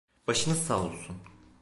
Başınız sağ olsun.